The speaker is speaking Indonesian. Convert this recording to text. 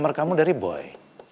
nomer kamu dari boy